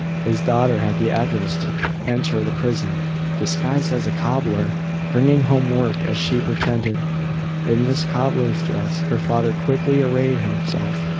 His daughter had the address to enter the prison, disguised as a cobbler, bringing home work, as she pretended. In this cobbler's dress her father quickly arrayed himself.